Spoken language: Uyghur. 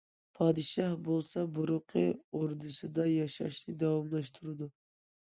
پادىشاھ بولسا، بۇرۇنقى ئوردىسىدا ياشاشنى داۋاملاشتۇرىدۇ.